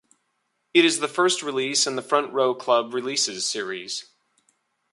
It is the first release in the Front Row Club Releases series.